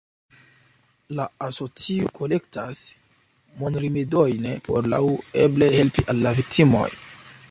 La asocio nun kolektas monrimedojn por laŭeble helpi al la viktimoj.